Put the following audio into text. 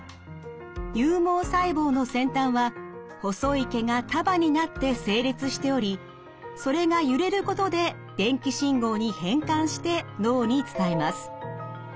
有毛細胞の先端は細い毛が束になって成立しておりそれが揺れることで電気信号に変換して脳に伝えます。